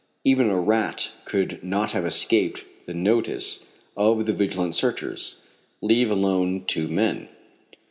Even a rat could not have escaped the notice of the vigilant searchers, leave alone two men.